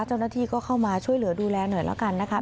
เจ้าหน้าที่ก็เข้ามาช่วยเหลือดูแลหน่อยแล้วกันนะคะ